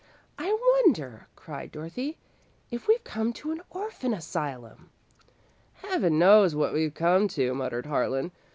"I wonder," cried Dorothy, "if we've come to an orphan asylum!" "Heaven knows what we've come to," muttered Harlan.